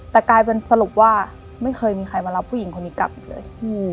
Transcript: แต่กลายเป็นสรุปว่าไม่เคยมีใครมารับผู้หญิงคนนี้กลับอีกเลย